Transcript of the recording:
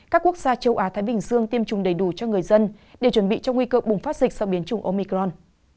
các quốc gia châu á thái bình dương tiêm chủng đầy đủ cho người dân để chuẩn bị cho nguy cơ bùng phát dịch sau biến trung omicron